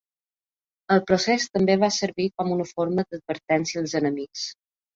El procés també va servir com una forma d'advertència als enemics.